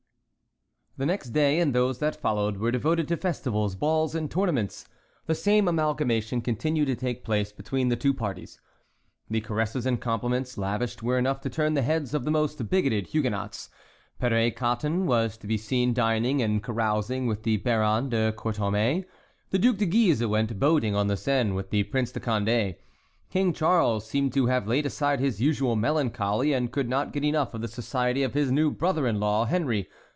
The next day and those that followed were devoted to festivals, balls, and tournaments. The same amalgamation continued to take place between the two parties. The caresses and compliments lavished were enough to turn the heads of the most bigoted Huguenots. Père Cotton was to be seen dining and carousing with the Baron de Courtaumer; the Duc de Guise went boating on the Seine with the Prince de Condé. King Charles seemed to have laid aside his usual melancholy, and could not get enough of the society of his new brother in law, Henry.